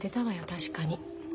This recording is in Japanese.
確かに。